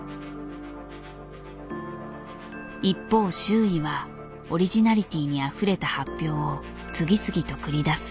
一方周囲はオリジナリティーにあふれた発表を次々と繰り出す。